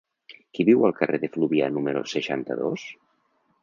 Qui viu al carrer de Fluvià número seixanta-dos?